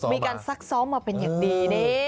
ซักซ้อมมาเป็นอย่างดี